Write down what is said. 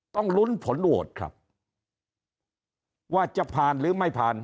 ต้องลุ้นผลโหวตครับว่าจะผ่านหรือไม่ผ่าน